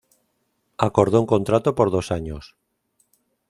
Acordó un contrato por dos años.